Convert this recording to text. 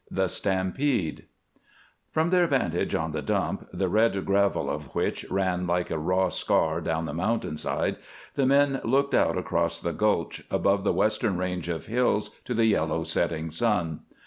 THE STAMPEDE From their vantage on the dump, the red gravel of which ran like a raw scar down the mountainside, the men looked out across the gulch, above the western range of hills to the yellow setting sun.